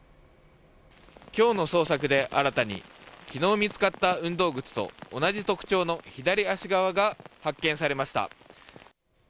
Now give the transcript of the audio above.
今日の捜索で新たに昨日見つかった運動靴と同じ特徴の左足側が発見されました。